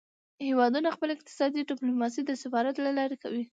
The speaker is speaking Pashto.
هیوادونه خپله اقتصادي ډیپلوماسي د سفارت له لارې کوي